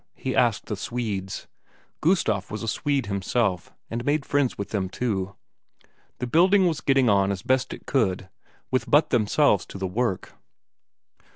he asked the Swedes Gustaf was a Swede himself, and made friends with them too. The building was getting on as best it could, with but themselves to the work.